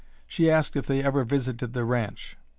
She asked if they ever visited the ranch.